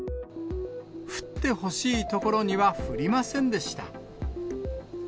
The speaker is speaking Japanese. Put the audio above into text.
降ってほしい所には降りませんでした。